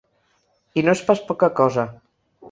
I no és pas poca cosa.